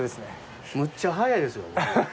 むっちゃ速いですよ。